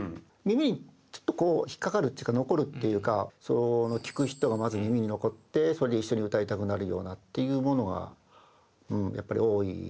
耳にちょっと引っ掛かるっていうか残るっていうか聴く人がまず耳に残ってそれで一緒に歌いたくなるようなっていうものがやっぱり多い。